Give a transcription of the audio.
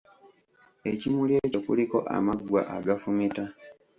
Ekimuli ekyo kuliko amaggwa agafumita.